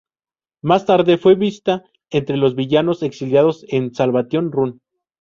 Más tarde fue vista entre los villanos exiliados en Salvation Run.